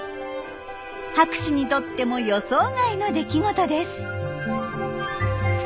博士にとっても予想外の出来事です。